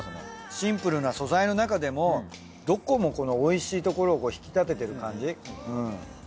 シンプルな素材のなかでもどこもこのおいしいところを引き立ててる感じ？